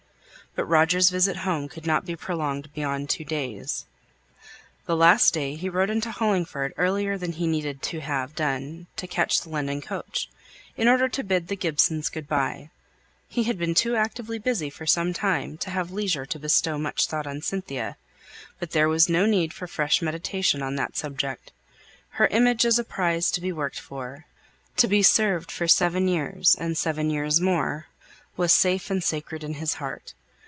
But Roger's visit home could not be prolonged beyond two days. The last day he rode into Hollingford earlier than he needed to have done to catch the London coach, in order to bid the Gibsons good by. He had been too actively busy for some time to have leisure to bestow much thought on Cynthia; but there was no need for fresh meditation on that subject. Her image as a prize to be worked for, to be served for seven years, and seven years more, was safe and sacred in his heart.